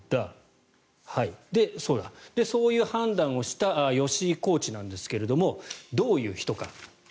そういう判断をした吉井コーチなんですがどういう人か。